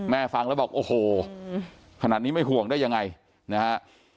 ฟังแล้วบอกโอ้โหขนาดนี้ไม่ห่วงได้ยังไงนะฮะ